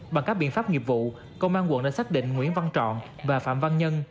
bằng các biện pháp nghiệp vụ công an quận đã xác định nguyễn văn trọn và phạm văn nhân